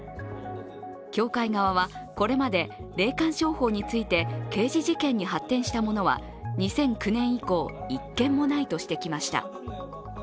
教会側は、これまで霊感商法について、刑事事件に発展したものは２００９年以降、１件もないとしてきました。